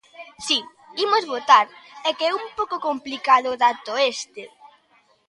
Si, imos votar, é que é un pouco complicado o dato este.